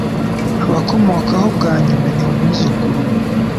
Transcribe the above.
Abakomokaho bwa nyuma ni umwuzukuru we